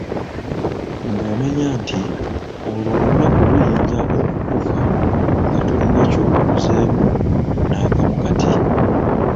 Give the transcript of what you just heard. Ng'omanya nti olwo olunaku luyinza okukufa nga tolina kyolukozeemu nakamu kati .